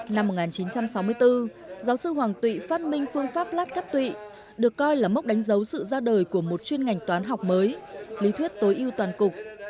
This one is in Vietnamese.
năm một nghìn chín trăm sáu mươi bốn giáo sư hoàng tụy phát minh phương pháp lát cắt tụy được coi là mốc đánh dấu sự ra đời của một chuyên ngành toán học mới lý thuyết tối ưu toàn cục